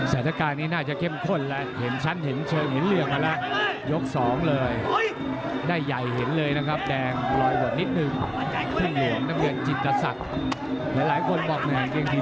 หลายหลายคนบอกเหนือแอนเกงผีแดงเนนี่